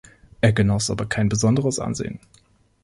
Er genoss aber kein besonderes Ansehen.